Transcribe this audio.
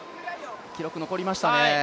記録残りましたね。